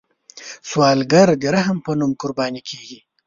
سوالګر د رحم په نوم قرباني کیږي